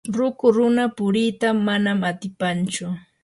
ruku runa purita manam atipanchu.